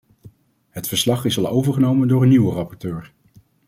Het verslag is al overgenomen door een nieuwe rapporteur.